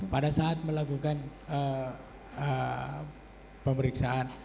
pada saat melakukan pemeriksaan